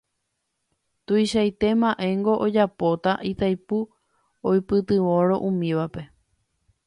Tuichaite mba'éngo ojapóta Itaipu oipytyvõrõ umívape